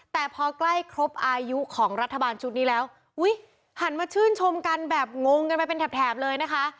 แต่พอใกล้ครบอายุของรัฐบาลชุดนี้แล้วอุ้ยหันมาชื่นชมกันแบบงงกันไปเป็นแถบเลยนะคะ